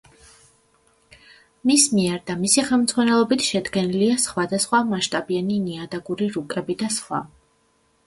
მის მიერ და მისი ხელმძღვანელობით შედგენილია სხვადასხვა მასშტაბიანი ნიადაგური რუკები და სხვა.